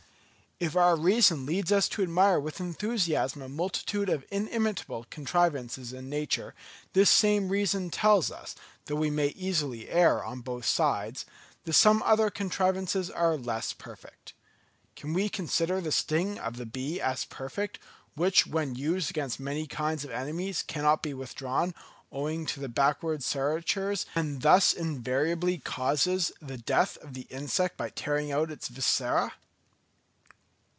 If our reason leads us to admire with enthusiasm a multitude of inimitable contrivances in nature, this same reason tells us, though we may easily err on both sides, that some other contrivances are less perfect. Can we consider the sting of the bee as perfect, which, when used against many kinds of enemies, cannot be withdrawn, owing to the backward serratures, and thus inevitably causes the death of the insect by tearing out its viscera?